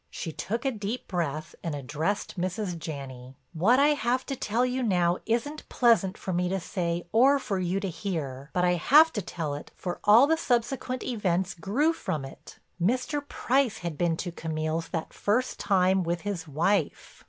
She took a deep breath and addressed Mrs. Janney: "What I have to tell now isn't pleasant for me to say or for you to hear, but I have to tell it for all the subsequent events grew from it. Mr. Price had been to Camille's that first time with his wife."